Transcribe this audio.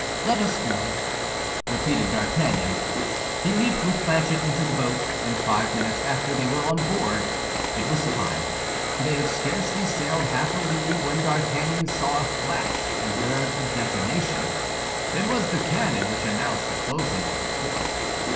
"Let us go," repeated D'Artagnan. He leaped with Planchet into the boat, and five minutes after they were on board. It was time; for they had scarcely sailed half a league, when D'Artagnan saw a flash and heard a detonation. It was the cannon which announced the closing of the port.